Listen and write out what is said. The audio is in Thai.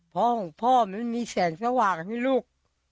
พ่อของพ่อมันมีแสงสว่างให้ลูก